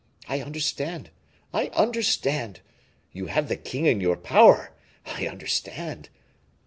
I understand, I understand; you have the king in your power; I understand."